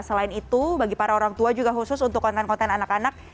selain itu bagi para orang tua juga khusus untuk konten konten anak anak